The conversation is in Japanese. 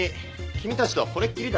君たちとはこれっきりだ。